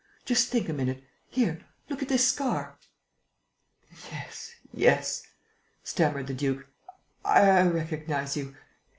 Just think a minute.... Here, look at this scar...." "Yes, yes," stammered the duke, "I recognize you.